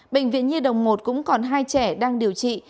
bệnh viện nhi đồng một cũng còn hai trẻ đang điều trị